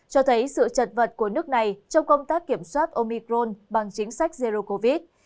lấy sự trật vật của nước này trong công tác kiểm soát omicron bằng chính sách zero covid